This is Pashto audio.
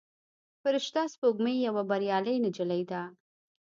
فرشته سپوږمۍ یوه بریالۍ نجلۍ ده.